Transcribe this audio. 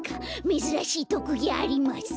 めずらしいとくぎあります。